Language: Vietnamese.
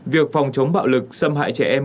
việc phòng chống bạo lực xâm hại trẻ em